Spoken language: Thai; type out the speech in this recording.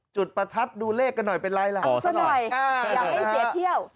จุดประทับดูเลขกันหน่อยเป็นไรล่ะอ๋อสักหน่อยอยากให้เกียรติเที่ยว